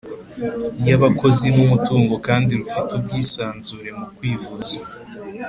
y abakozi n umutungo kandi rufite ubwisanzure mukwivuza